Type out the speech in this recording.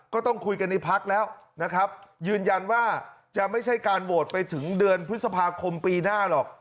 ก็ต้องคุยกันในพักแล้วนะครับยืนยันว่าจะไม่ใช่การโหวตไปถึงเดือนพฤษภาคมปีหน้าหรอก